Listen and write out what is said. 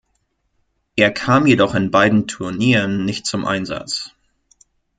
Er kam jedoch in beiden Turnieren nicht zum Einsatz.